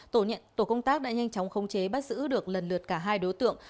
tổ công tác đã nhanh chóng khống chế bắt giữ được lần lượt cả hai đối tượng